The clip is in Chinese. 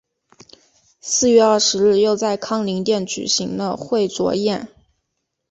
四月二十日又在康宁殿举行了会酌宴。